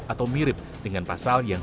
atau mirip dengan pasal yang